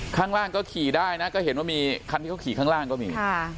ข้างล่างก็ขี่ได้นะก็เห็นว่ามีคันที่เขาขี่ข้างล่างก็มี